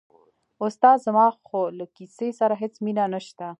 استاده زما خو له کیسې سره هېڅ مینه نشته.